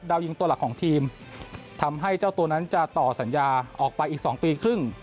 ยิงตัวหลักของทีมทำให้เจ้าตัวนั้นจะต่อสัญญาออกไปอีก๒ปีครึ่ง